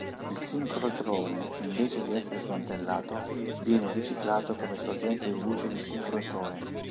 Il sincrotrone invece di essere smantellato viene riciclato come sorgente di luce di sincrotrone.